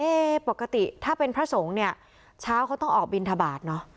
ปกติถ้าเป็นพระสงฆ์เนี่ยเช้าเขาต้องออกบินทบาทเนอะ